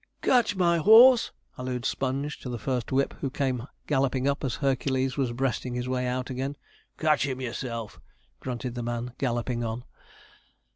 'Catch my horse!' hallooed Sponge to the first whip, who came galloping up as Hercules was breasting his way out again. 'Catch him yourself,' grunted the man, galloping on.